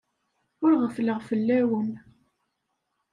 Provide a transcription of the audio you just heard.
Ur ɣeffleɣ fell-awen.